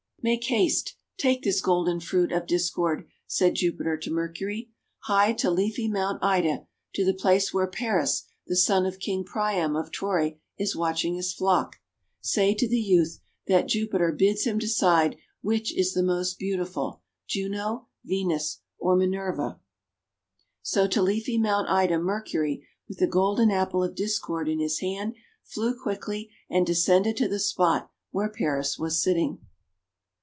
:<Make haste, take this golden fruit of Dis cord," said Jupiter to Mercury. :'Hie to leafy Mount Ida, to the place where Paris, the son of King Priam of Troy, is watching his flock. Say THE APPLE OF DISCORD 213 to the youth that Jupiter bids him decide which is the most beautiful, Juno, Venus, or Minerva." So to leafy Mount Ida Mercury, with the Golden Apple of Discord in his hand, flew quickly, and descended to the spot where Paris was sitting.